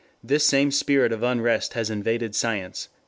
This same spirit of unrest has invaded science."